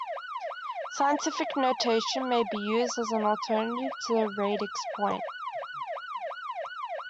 Scientific notation may be used as an alternative to the radix point.